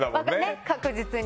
確実に。